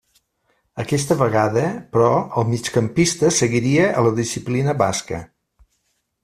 Aquesta vegada, però el migcampista seguiria a la disciplina basca.